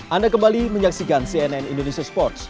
anda kembali menyaksikan cnn indonesia sports